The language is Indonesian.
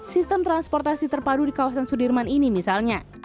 sistem transportasi terpadu di kawasan sudirman ini misalnya